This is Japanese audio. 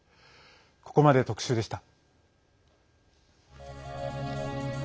ここまで特集でした。